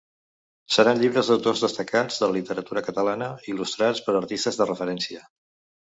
Seran llibres d’autors destacats de la literatura catalana, il·lustrats per artistes de referència.